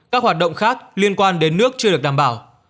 các hoạt động khác liên quan đến nước chưa được đảm bảo